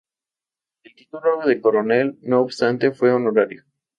El título de Coronel, no obstante, fue honorario.